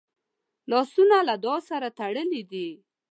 لاسونه له دعا سره تړلي دي